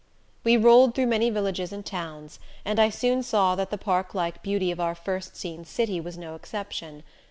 We rolled through many villages and towns, and I soon saw that the parklike beauty of our first seen city was no exception.